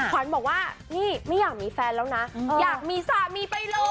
ขวัญบอกว่านี่ไม่อยากมีแฟนแล้วนะอยากมีสามีไปเลย